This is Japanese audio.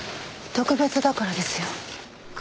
特別だからですよ。